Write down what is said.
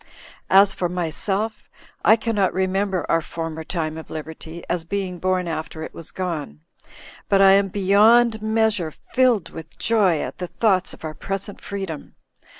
As for myself, I cannot remember our former time of liberty, as being born after it was gone; but I am beyond measure filled with joy at the thoughts of our present freedom.